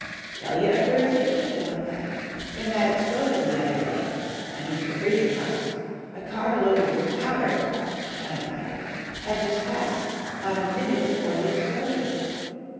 "Tell ye a queer thing," said one man. "In that explosion the other day, I mean the freezing house, a car loaded with powder [dynamite] had just passed, not a minute before the explosion.